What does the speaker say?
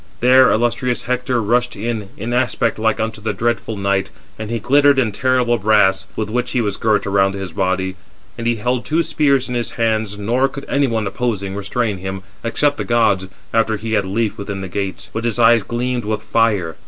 There illustrious Hector rushed in, in aspect like unto the dreadful night; and he glittered in terrible brass, with which he was girt around his body. And he held two spears in his hands, nor could any one, opposing, restrain him, except the gods, after he had leaped within the gates; but his eyes gleamed with fire.